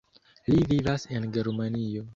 Li vivas en Germanio.